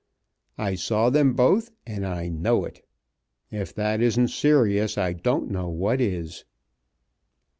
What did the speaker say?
I saw them both and I know it. If that isn't serious I don't know what is."